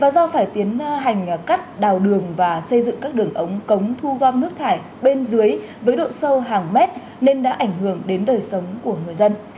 do phải tiến hành cắt đào đường và xây dựng các đường ống cống thu gom nước thải bên dưới với độ sâu hàng mét nên đã ảnh hưởng đến đời sống của người dân